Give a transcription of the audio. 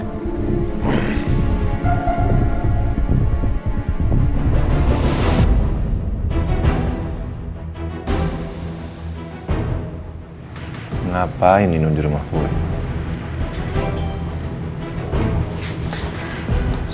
kenapa ini nunjuk rumahku ini